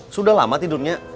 sudah lama tidurnya